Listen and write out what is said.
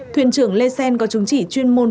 thuyền trưởng lê sen có chứng chỉ chuyên môn